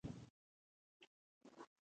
آیا کولی شو د تماس په اثر جسمونه چارج داره کړو؟